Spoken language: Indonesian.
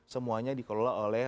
semuanya dikelola oleh